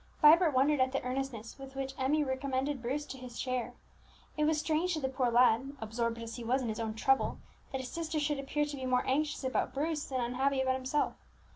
Vibert wondered at the earnestness with which Emmie recommended Bruce to his care; it was strange to the poor lad, absorbed as he was in his own trouble, that his sister should appear to be more anxious about Bruce than unhappy about himself.